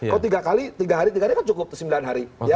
kalau tiga kali tiga hari tiga hari kan cukup sembilan hari